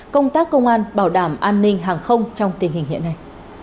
công tác công an bảo đảm an ninh hàng không trong tình hình hiện nay